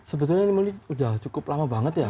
sebetulnya ilmu ini udah cukup lama banget ya